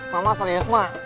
mama serius ma